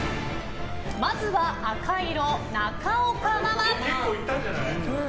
まずは赤色、中岡ママ。